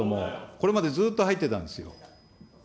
これまでずっと入ってたんですよ。